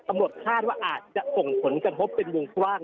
อำนวดทาสว์อาจจะกดหน้าผลที่รวมกว้าง